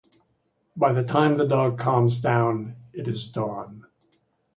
By the time the dog calms down, it is dawn.